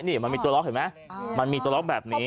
นี่มันมีตัวล็อกเห็นไหมมันมีตัวล็อกแบบนี้